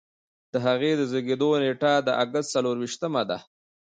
د هغه د زیږیدو نیټه د اګست څلور ویشتمه ده.